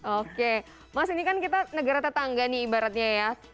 oke mas ini kan kita negara tetangga nih ibaratnya ya